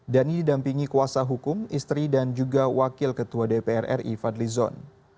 dhani didampingi kuasa hukum istri dan juga wakil ketua dpr ri fadli zon